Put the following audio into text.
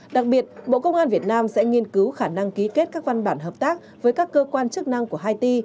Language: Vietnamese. đặc biệt bộ công an việt nam sẽ nghiên cứu khả năng ký kết các văn bản hợp tác với các cơ quan chức năng của haiti